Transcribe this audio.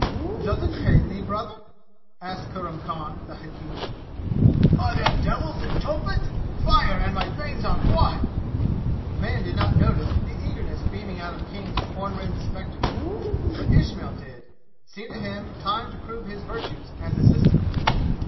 "Does it pain thee, brother?" asked Kurram Khan the hakim. "Are there devils in Tophet! Fire and my veins are one!" The man did not notice the eagerness beaming out of King's horn rimmed spectacles, but Ismail did; it seemed to him time to prove his virtues as assistant.